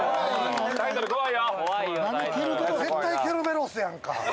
絶対ケルベロスやんか。